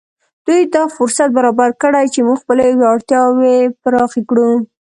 دوی دا فرصت برابر کړی چې موږ خپلې وړتیاوې پراخې کړو